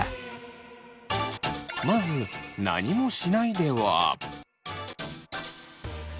まず「何もしない」では。